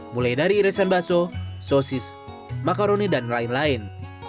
mulai dari irisan baso sosis makaroni dan lain lain